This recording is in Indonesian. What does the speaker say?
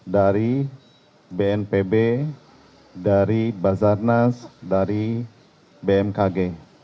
dari bnpb dari basarnas dari bmkg